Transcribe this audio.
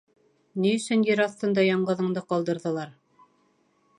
Ни өсөн ер аҫтында яңғыҙыңды ҡалдырҙылар?